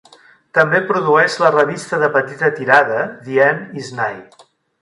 També produeix la revista de petita tirada "The End Is Nigh".